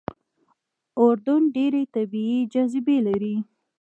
اردن ډېرې طبیعي جاذبې لري.